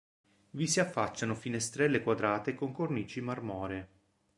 Vi si affacciano finestrelle quadrate con cornici marmoree.